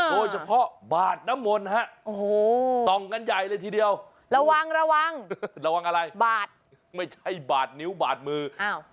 โดยเฉพาะบาดน้ำมนต์ฮะโอ้โหต้องกันใหญ่เลยทีเดียวระวังระวังระวังอะไรบาดไม่ใช่บาดนิ้วบาดมืออ้าว